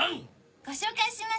ご紹介します。